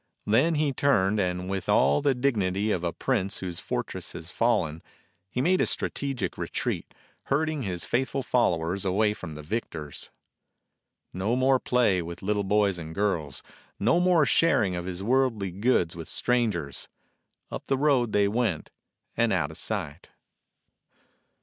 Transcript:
Then he turned, and with all the dignity of a prince whose fortress has fallen, he made a strategic retreat, herding his faith ful followers away from the victors. No more play with little boys and girls, no more sharing of his worldly goods with stran gers. Up the road they went and out of sight.